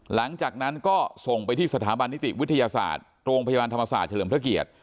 หลังจากนั้นก็ส่งไปที่สถาบันนิติวิทยาศาสตร์โรงพยาบาลธรรมศาสตร์เฉลิมพระเกียรติ